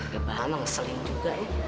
gak tahu ngeselin juga